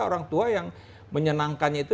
orang tua yang menyenangkannya itu